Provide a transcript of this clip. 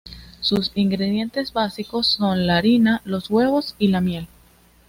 Sus ingredientes básicos son la harina, los huevos y la miel.